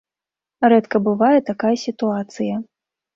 Рэдка бывае такая сітуацыя.